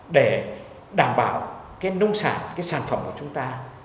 để đảm bảo cái nông sản cái sản phẩm của chúng ta